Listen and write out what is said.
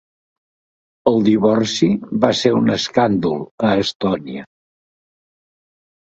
El divorci va ser un escàndol a Estònia.